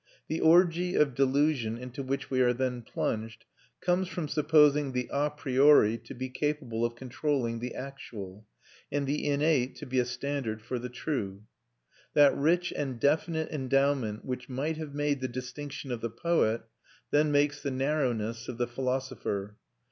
The orgy of delusion into which we are then plunged comes from supposing the a priori to be capable of controlling the actual, and the innate to be a standard for the true. That rich and definite endowment which might have made the distinction of the poet, then makes the narrowness of the philosopher.